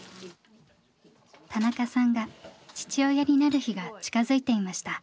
田中さんが父親になる日が近づいていました。